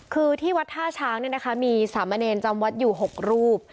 คือที่วัดท่าช้างมีสามเณรจำวัดอยู่๖รูป